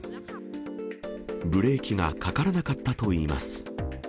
ブレーキがかからなかったといいます。